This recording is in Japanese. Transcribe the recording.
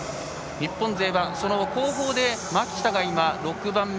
日本勢は、その後半で蒔田が６番目。